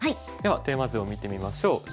ではテーマ図を見てみましょう。